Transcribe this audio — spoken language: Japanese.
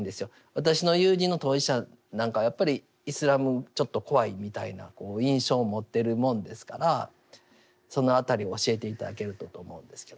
私の友人の当事者なんかはやっぱりイスラムちょっと怖いみたいな印象を持ってるもんですからその辺りを教えて頂けるとと思うんですけど。